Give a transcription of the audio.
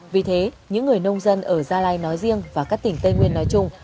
vì thế những người nông dân ở gia lai nói riêng và các tỉnh tây nguyên nói chung